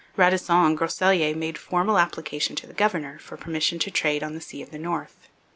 Radisson and Groseilliers made formal application to the governor for permission to trade on the Sea of the North.